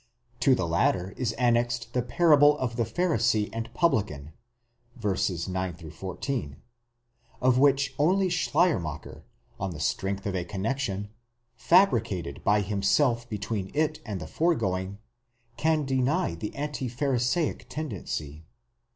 To the latter is annexed the parable of the Pharisee and Publican (9 14), of which only Schleiermacher, on the strength of a connexion, fabri cated by himself between it and the foregoing, can deny the antipharisaic tendency.!?